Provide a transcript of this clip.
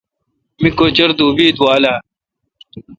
می کچر دوبی اے°دُوال اہ۔